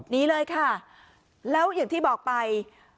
หนีเลยค่ะแล้วอย่างที่บอกไป